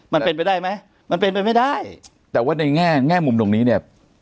มันเป็นไปได้ไหมมันเป็นไปไม่ได้แต่ว่าในแง่แง่มุมตรงนี้เนี่ย